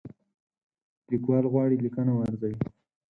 لیکوال غواړي لیکنه وارزوي.